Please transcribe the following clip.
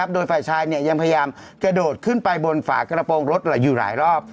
โดยฝ่ายชายยังพยายามกระโดดขึ้นไปบนฝากระโปรงรถอยู่หลายรอบ